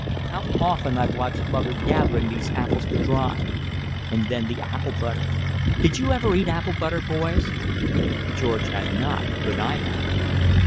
How often I've watched mother gathering these apples to dry! And then, the apple butter! Did you ever eat apple butter, boys?" George had not, but I had.